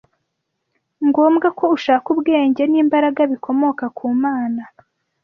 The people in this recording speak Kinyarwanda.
ngobwa ko ushaka ubwenge n’imbaraga bikomoka ku Mana